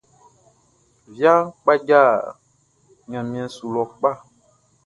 Viaʼn kpadja ɲanmiɛn su lɔ kpa.